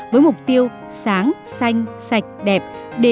với mục tiêu sáng xanh sạch đẹp